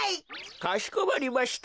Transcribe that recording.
かしこまりました。